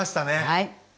はい。